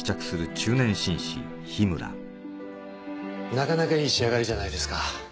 なかなかいい仕上がりじゃないですか。